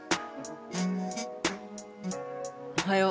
おはよう。